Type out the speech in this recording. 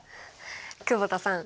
久保田さん